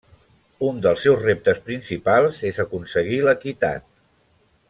Un dels seus reptes principals és aconseguir l'equitat.